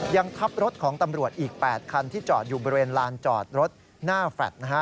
ยังทับรถของตำรวจอีก๘คันที่จอดอยู่บริเวณลานจอดรถหน้าแฟลต์